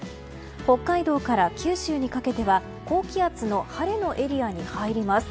北海道から九州にかけては高気圧の晴れのエリアに入ります。